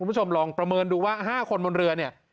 คุณผู้ชมลองประเมินดูว่า๕คนบนเรือเนี่ย